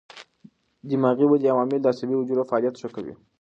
دماغي ودې عوامل د عصبي حجرو فعالیت ښه کوي.